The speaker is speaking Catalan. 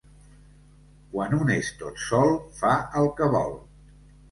Quan un és tot sol, fa el que vol.